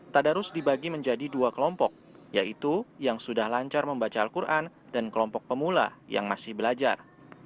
tadarus dibagi menjadi dua kelompok yaitu yang sudah lancar membaca al quran dan kelompok pemula yang masih belajar